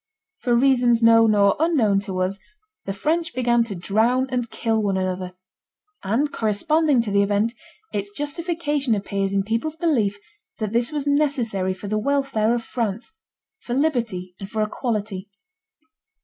For reasons known or unknown to us the French began to drown and kill one another. And corresponding to the event its justification appears in people's belief that this was necessary for the welfare of France, for liberty, and for equality.